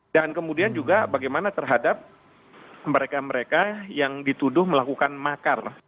dan kemudian juga bagaimana terhadap mereka mereka yang dituduh melakukan makar